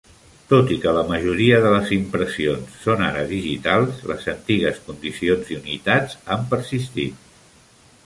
Tot i que la majoria de les impressions són ara digitals, les antigues condicions i unitats han persistit.